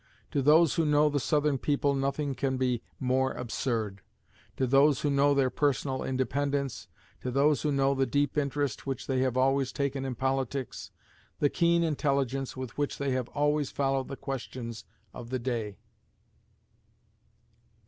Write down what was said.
To those who know the Southern people nothing can be more absurd; to those who know their personal independence, to those who know the deep interest which they have always taken in politics, the keen intelligence with which they have always followed the questions of the day.